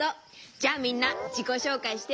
じゃあみんなじこしょうかいして。